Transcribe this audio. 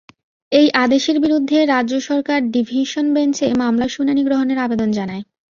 এই আদেশের বিরুদ্ধে রাজ্য সরকার ডিভিশন বেঞ্চে মামলার শুনানি গ্রহণের আবেদন জানায়।